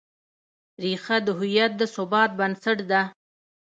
ریښه د هویت د ثبات بنسټ ده.